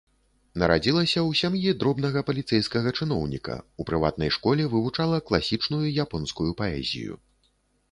Нарадзілася ў сям'і дробнага паліцэйскага чыноўніка, у прыватнай школе вывучала класічную японскую паэзію.